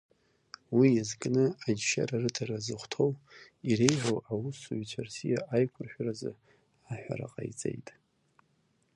Уи иазкны, аџьшьара рыҭара зыхәҭоу, иреиӷьу аусзуҩцәа рсиа аиқәыршәарзы аҳәара ҟаиҵеит.